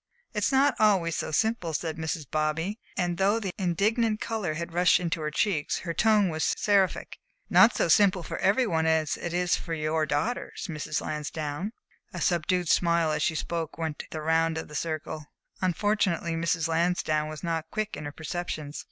"It's not always so simple," said Mrs. Bobby, and though the indignant color had rushed into her cheeks, her tone was seraphic, "not so simple for every one as it is for your daughters, Mrs. Lansdowne." A subdued smile as she spoke went the round of the circle. Fortunately Mrs. Lansdowne was not quick in her perceptions.